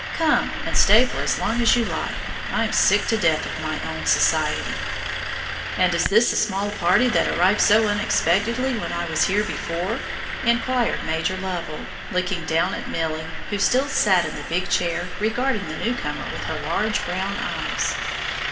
"Come and stay for as long as you like. I'm sick to death of my own society." "And is this the small party that arrived so unexpectedly when I was here before?" inquired Major Lovell, looking down at Milly, who still sat in the big chair, regarding the new comer with her large brown eyes.